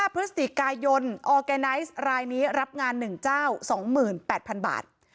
๕พฤศติกายนรับงาน๑เจ้า๒๘๐๐๐บาท